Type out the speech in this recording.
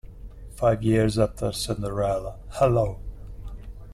Five years after "Cinderella", "Hello!